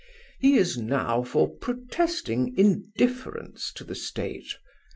He is now for protesting indifference to the state.